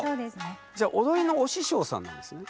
じゃ踊りのお師匠さんなんですね？